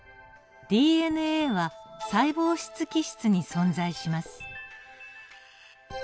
ＤＮＡは細胞質基質に存在します。